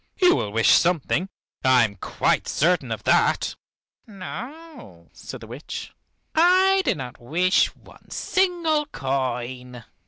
You will wish something, I am quite certain of that." "No," said the witch: "I do not wish one single coin.